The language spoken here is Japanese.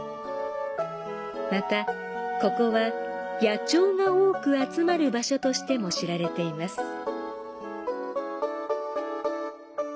また、ここは野鳥が多く集まる場所としても知られています。